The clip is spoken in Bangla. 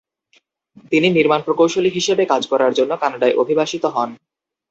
তিনি নির্মাণ প্রকৌশলী হিসেবে কাজ করার জন্য কানাডায় অভিবাসিত হন।